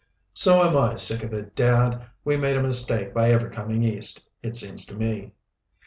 "So am I sick of it, dad. We made a mistake by ever coming East, it seems to me."